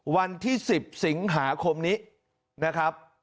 วันที่๑๐สิงหาคมนี้นะครับ